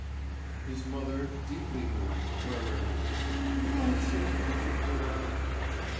His mother, deeply moved, murmured: "Well said, my boy."